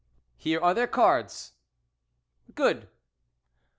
"Here are their cards." "Good."